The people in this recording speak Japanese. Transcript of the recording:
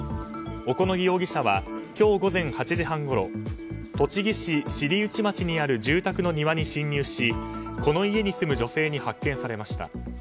小此木容疑者は今日午前８時半ごろ栃木市尻内町にある住宅の庭に侵入しこの家に住む女性に発見されました。